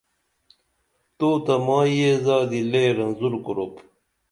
تو تہ مائی یہ زادی لے رزُور کُرُپ